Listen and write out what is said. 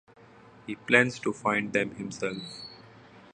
He plans to find them himself.